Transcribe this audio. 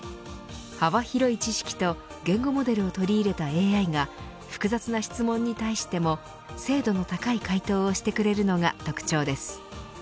幅広い知識と言語モデルを取り入れたＡＩが複雑な質問に対しても精度の高い回答をしてくれるのが特徴です。